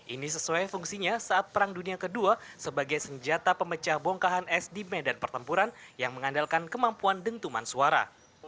ini sesuai fungsinya saat perang dunia ii sebagai senjata pemecah bongkahan es di medan pertempuran yang mengandalkan kemampuan dentuman suara